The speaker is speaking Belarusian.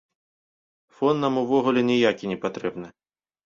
Фон нам увогуле ніякі не патрэбны.